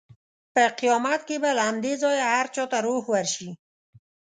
په قیامت کې به له همدې ځایه هر چا ته روح ورشي.